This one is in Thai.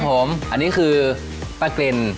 ครับผมอันนี้คือป้าเกร็น